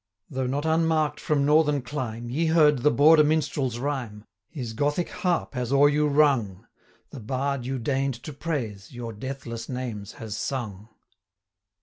Though not unmark'd from northern clime, Ye heard the Border Minstrel's rhyme: His Gothic harp has o'er you rung; The Bard you deign'd to praise, your deathless names has sung.